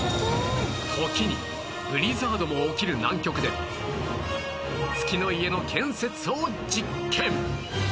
時にブリザードも起きる南極で月の家の建設を実験！